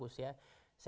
makin bagus ya